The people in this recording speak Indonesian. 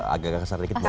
agak agak kasar dikit dikit